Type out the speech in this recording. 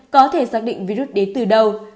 có thể xác định virus đến từ đâu